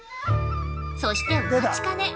◆そして、お待ちかね！